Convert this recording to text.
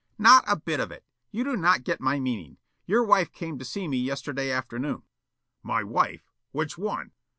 "Not a bit of it. You do not get my meaning. Your wife came to see me yesterday afternoon." "My wife? Which one?"